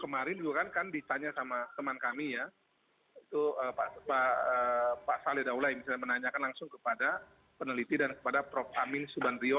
kemarin kan ditanya sama teman kami ya pak salih daulah yang menanyakan langsung kepada peneliti dan kepada prof amin subandrio